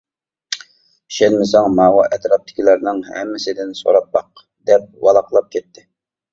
ئىشەنمىسەڭ ماۋۇ ئەتراپتىكىلەرنىڭ ھەممىسىدىن سوراپ باق-دەپ ۋالاقلاپ كەتتى.